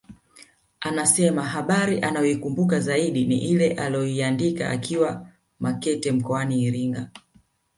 Anasema habari anayoikumbuka zaidi ni ile aliyoiandika akiwa Makete mkoani Iringa